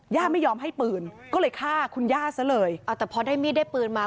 ไม่ยอมให้ปืนก็เลยฆ่าคุณย่าซะเลยเอาแต่พอได้มีดได้ปืนมา